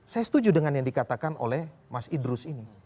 saya setuju dengan yang dikatakan oleh mas idrus ini